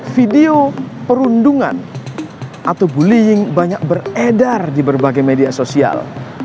video perundungan atau bullying banyak beredar di berbagai media sosial